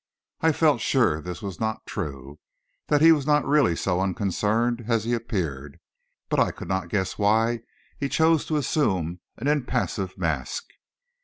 I felt sure this was not true, that he was not really so unconcerned as he appeared; but I could not guess why he chose to assume an impassive mask.